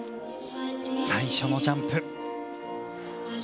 最初のジャンプ。